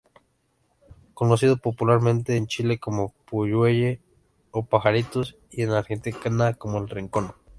Conocido popularmente en Chile como ""Puyehue"" o ""Pajaritos"" y en Argentina como ""El Rincón"".